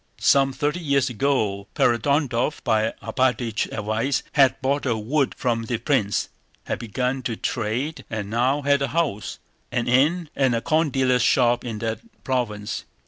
Some thirty years ago Ferapóntov, by Alpátych's advice, had bought a wood from the prince, had begun to trade, and now had a house, an inn, and a corn dealer's shop in that province.